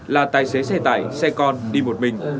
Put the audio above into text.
là tài xế xe tải xe con đi một mình